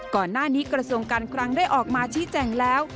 ก่อนหน้านี้กระทรวงการคลังได้ออกมาชี้แจ่งแล้ว